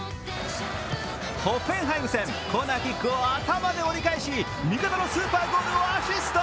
ホッフェンハイム戦、コーナーキックを頭で折り返し、味方のスーパーゴールをアシスト。